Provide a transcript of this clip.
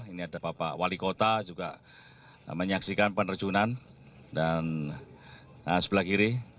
ini ada bapak wali kota juga menyaksikan penerjunan dan sebelah kiri